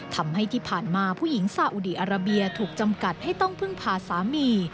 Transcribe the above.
ทำให้ที่ผ่านมาผู้หญิงซาอุดีอาราเบียถูกจำกัดให้ต้องพึ่งพาสามี